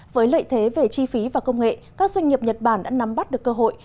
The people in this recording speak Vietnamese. với lợi thế về chi phí và công nghệ các doanh nghiệp nhật bản đã nắm bắt được cơ hội